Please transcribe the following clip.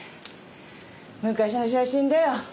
昔の写真だよ。